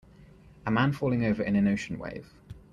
A man falling over in an ocean wave